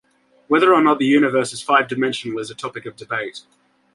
Whether or not the universe is five-dimensional is a topic of debate.